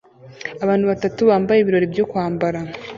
Abantu batatu bambaye ibirori byo kwambara